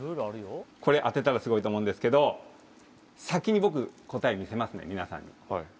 これ当てたらすごいと思うんですけど先に僕答え見せますね皆さんに。